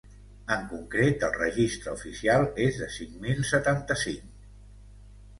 En concret, el registre oficial és de cinc mil setanta-cinc.